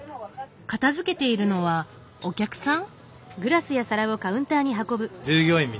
片づけているのはお客さん？